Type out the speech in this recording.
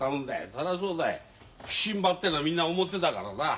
そりゃそうだよ普請場ってのはみんな表だからな。